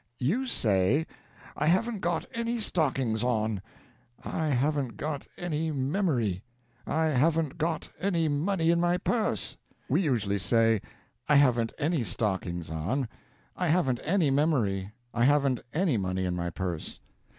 You say, 'I haven't got any stockings on,' 'I haven't got any memory,' 'I haven't got any money in my purse; we usually say, 'I haven't any stockings on,' 'I haven't any memory!' 'I haven't any money in my purse.'